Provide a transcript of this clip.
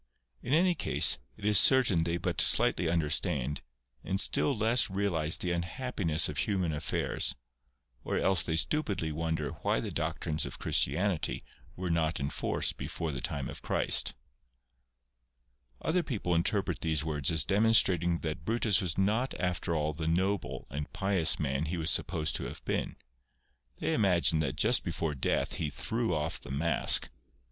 In any case, it is certain they but slightly understand, and still less realise the unhappiness of human affairs, or else they stupidly wonder why the doctrines of Christianity were not in force before the time of Christ. 198 COMPARISON OF THE LAST WORDS OF Other people interpret these words as demonstrating that Brutus was not after all the noble and pious man he was supposed to have been. They imagine that just before death he threw off the mask.